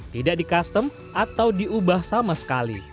tidak di custom atau diubah sama sekali